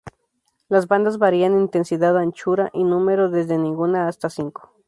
Las bandas varían en intensidad, anchura y número, desde ninguna hasta cinco.